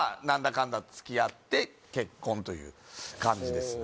かんだ付き合って結婚という感じですね